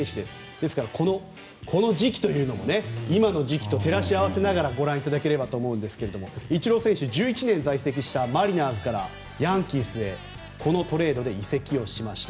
ですからこの時期というのも今の時期と照らし合わせながらご覧いただければと思うんですがイチロー選手１１年在籍したマリナーズからヤンキースへこのトレードで移籍しました。